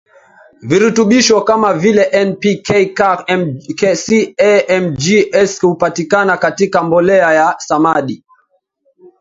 virutubisho kama vile N P K Ca Mg S hupatikana katika mbolea ya samadi